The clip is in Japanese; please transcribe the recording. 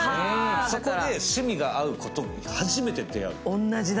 そこで趣味が合う子と初めて出会う。